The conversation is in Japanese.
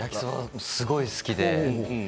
すごい好きで。